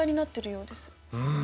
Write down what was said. うん。